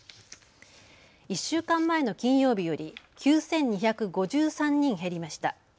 １週間前の金曜日より９２５３人減りました。